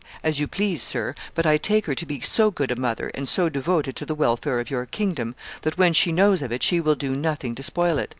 'As you please, sir; but I take her to be so good a mother, and so devoted to the welfare of your kingdom, that when she knows of it she will do nothing to spoil it.